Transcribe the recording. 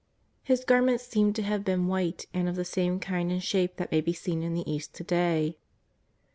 His garments seem to have been white and of the same kind and shape that may be seen in the East to day.